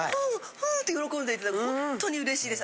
ふんって喜んでいただく本当にうれしいです。